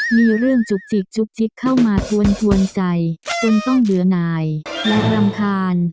มีเรื่องจุกจิกจุกจิกเข้ามากวนใจจนต้องเดือนายและรำคาญ